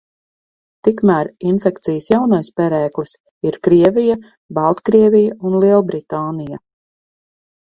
Tikmēr infekcijas jaunais perēklis ir Krievija, Baltkrievija un Lielbritānija.